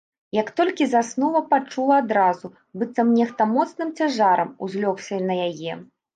Як толькі заснула, пачула адразу, быццам нехта моцным цяжарам узлёгся на яе.